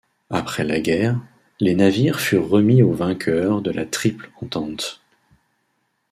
Après la guerre, les navires furent remis aux vainqueurs de la Triple-Entente.